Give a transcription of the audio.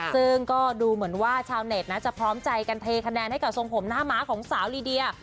ซึ่งก็ดูเหมือนว่าชาวเน็ตนะจะพร้อมใจกันเทคะแนนให้กับทรงผมหน้าม้าของสาวลีเดีย